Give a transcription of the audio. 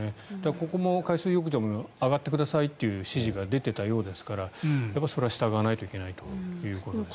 ここの海水浴場も上がってくださいっていう指示が出ていたようですからそれは従わないといけないということですね。